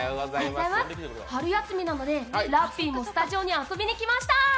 春休みなのでラッピーもスタジオに遊びにきました！